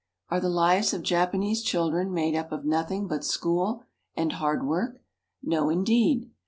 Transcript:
Are the lives of Japanese children made up of nothing but school and hard work.? No, indeed.